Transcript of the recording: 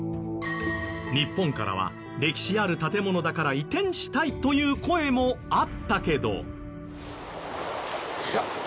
日本からは「歴史ある建物だから移転したい」という声もあったけど。